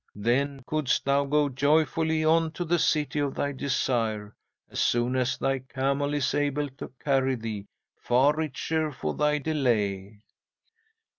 Then couldst thou go joyfully on to the City of thy Desire, as soon as thy camel is able to carry thee, far richer for thy delay."